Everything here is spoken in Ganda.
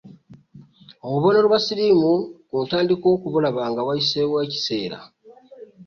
Obubonero bwa siriimu ku ntandika okubulaba nga wayiseewo ekiseera.